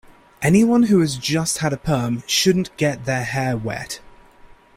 Anyone who has just had a perm shouldn't get their hair wet.